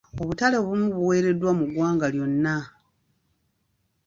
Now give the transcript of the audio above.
Obutale obumu buwereddwa mu ggwanga lyonna.